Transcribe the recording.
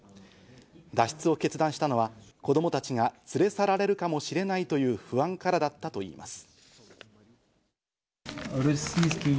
脱出を決断したのは子供たちが連れ去られるかもしれないという不安からだったといいます。